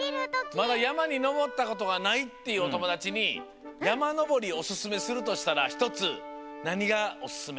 まだやまにのぼったことがないっていうおともだちにやまのぼりおすすめするとしたらひとつなにがおすすめ？